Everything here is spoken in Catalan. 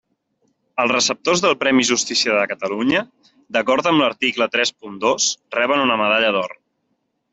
Els receptors del Premi Justícia de Catalunya, d'acord amb l'article tres punt dos, reben una medalla d'or.